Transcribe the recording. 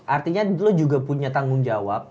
artinya dulu juga punya tanggung jawab